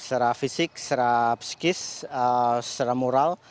secara fisik secara psikis secara moral